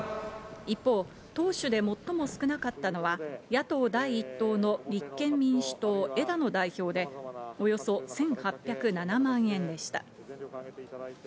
一方、党首で最も少なかったのは野党第一党の立憲民主党・枝野代表で、およそ１８０７万円でした。